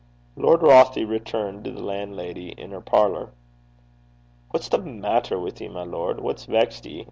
Lord Rothie returned to the landlady in her parlour. 'What's the maitter wi' ye, my lord? What's vexed ye?'